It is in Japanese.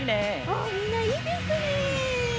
あっみんないいですね。